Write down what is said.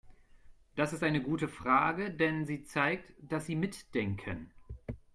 Das ist eine gute Frage, denn sie zeigt, dass Sie mitdenken.